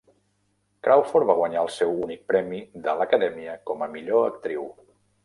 Crawford va guanyar el seu únic Premi de l'Acadèmia com a Millor Actriu.